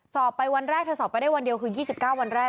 สอบไปวันแรกเธอสอบไปได้วันเดียวคือ๒๙วันแรก